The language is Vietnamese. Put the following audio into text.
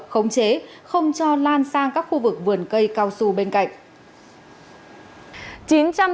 khống chế không cho lan sang các khu vực vườn cây cao su bên cạnh